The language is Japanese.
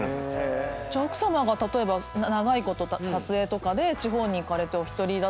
じゃあ奥さまが例えば長いこと撮影とかで地方に行かれてお一人だと。